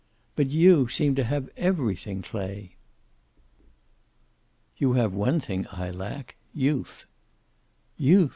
But you seem to have everything, Clay." "You have one thing I lack. Youth." "Youth!